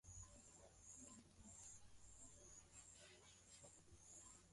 katika kipindi cha habari rafiki hii leo naamua kuongelea congo